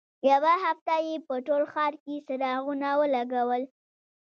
یوه هفته یې په ټول ښار کې څراغونه ولګول.